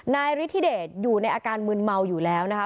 นายฤทธิเดชอยู่ในอาการมืนเมาอยู่แล้วนะคะ